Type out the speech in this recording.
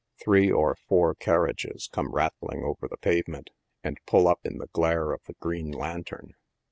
Three or four carriages come rattling over the pavement, and pull up in the glare of the green lantern.